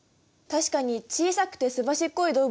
確かに小さくてすばしっこい